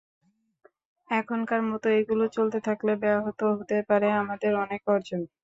এখনকার মতো এগুলো চলতে থাকলে ব্যাহত হতে পারে আমাদের অনেক অর্জন।